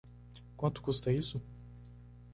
Quanto custa isso?